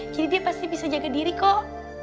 jadi dia pasti bisa jaga diri kok